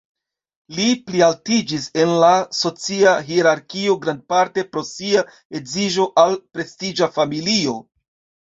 Li plialtiĝis en la socia hierarkio grandparte pro sia edziĝo al prestiĝa familio.